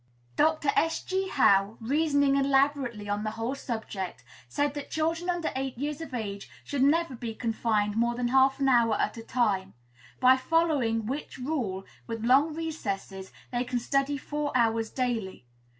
"Dr. S.G. Howe, reasoning elaborately on the whole subject, said that children under eight years of age should never be confined more than half an hour at a time; by following which rule, with long recesses, they can study four hours daily.